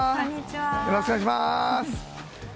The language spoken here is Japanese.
よろしくお願いします。